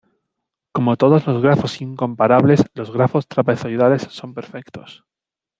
Como todos los grafos incomparables los grafos trapezoidales son perfectos.